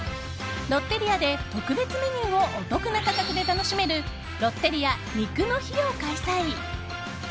ロッテリアで特別メニューをお得な価格で楽しめるロッテリア２９肉の日を開催。